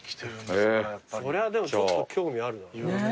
そりゃあでもちょっと興味あるわ。